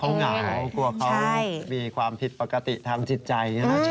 เขาเหงากลัวเขามีความผิดปกติทางจิตใจ